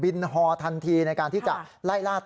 เบียนฮอแรงการไล่ล่าต่อ